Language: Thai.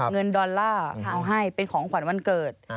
ดอลลาร์เอาให้เป็นของขวัญวันเกิด